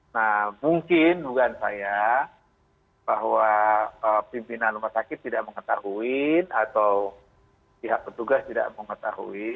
nah mungkin dugaan saya bahwa pimpinan rumah sakit tidak mengetahui atau pihak petugas tidak mengetahui